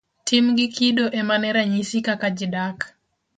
Tim gi kido emane ranyisi kaka ji dak.